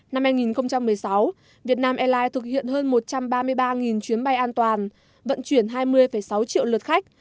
năm hai nghìn một mươi sáu việt nam airlines thực hiện hơn một trăm ba mươi ba chuyến bay an toàn vận chuyển hai mươi sáu triệu lượt khách